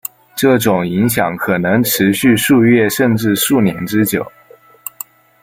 这种影响可能持续数月甚至数年之久。